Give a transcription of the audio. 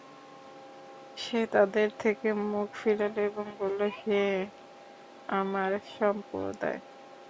সে তাদের থেকে মুখ ফিরাল এবং বলল, হে আমার সম্প্রদায়!